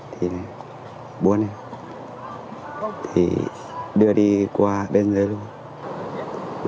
thì buôn này thì đưa đi qua bên dưới luôn